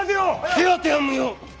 手当ては無用。